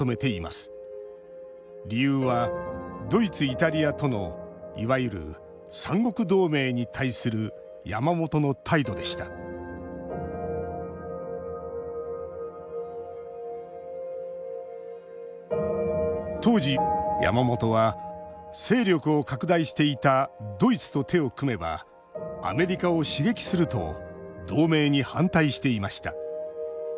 理由はドイツイタリアとのいわゆる三国同盟に対する山本の態度でした当時山本は勢力を拡大していたドイツと手を組めばアメリカを刺激すると同盟に反対していました。